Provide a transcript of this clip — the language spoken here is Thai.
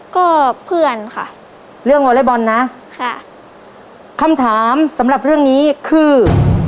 ก็เพื่อนค่ะเรื่องวอเล็กบอลนะค่ะคำถามสำหรับเรื่องนี้คือ